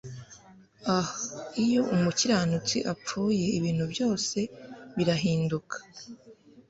Ah iyo Umukiranutsi apfuye ibintu byose birahinduka